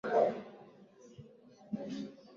Mwamba wenye imara, kwako nitajificha.